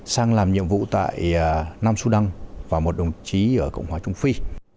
sang làm nhiệm vụ tại nam sudan và một đồng chí ở cộng hòa trung phi